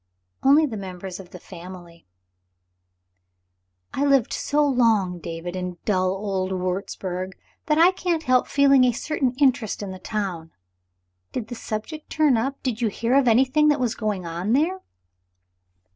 "Only the members of the family." "I lived so long, David, in dull old Wurzburg, that I can't help feeling a certain interest in the town. Did the subject turn up? Did you hear of anything that was going on there?"